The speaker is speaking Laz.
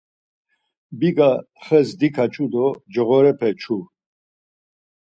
Biga xes dikaçu do coğorepe çvu.